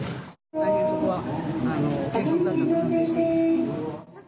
大変そこは軽率だったと反省しています。